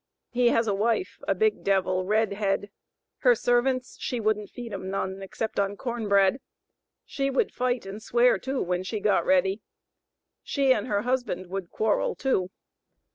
He has a wife, a big devil, red head; her servants, she wouldn't feed 'em none, except on corn bread; she would fight and swear too, when she got ready. She and her husband would quarrel too.